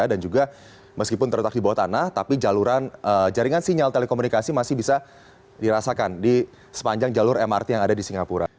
dan juga meskipun terletak di bawah tanah tapi jaringan sinyal telekomunikasi masih bisa dirasakan sepanjang jalur mrt yang ada di singapura